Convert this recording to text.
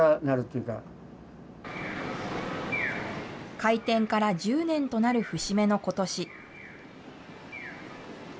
開店から１０年となる節目のことし。